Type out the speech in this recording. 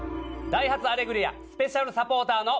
『ダイハツアレグリア』スペシャルサポーターの。